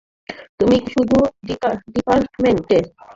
তুমি কোন ডিপার্টমেন্টে?